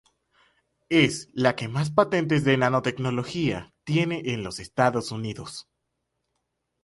Es la que más patentes de nanotecnología tiene en los Estados Unidos.